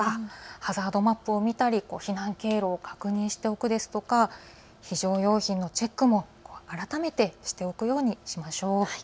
ハザードマップを見たり避難経路を確認したり非常用品のチェックも改めてしておくようにしましょう。